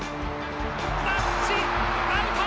タッチアウト！